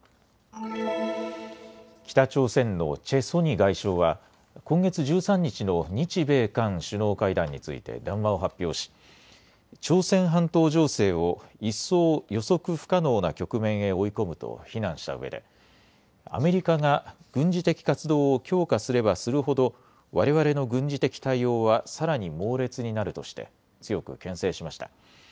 北朝鮮のチェ・ソニ外相は今月１３日の日米韓首脳会談について談話を発表し朝鮮半島情勢を一層予測不可能な局面へ追い込むと非難したうえで、アメリカが軍事的活動を強化すればするほど、われわれの軍事的対応はさらに猛烈になるとして強くけん制しました。